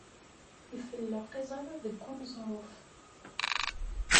Ifelleq iẓra deg uneẓruf.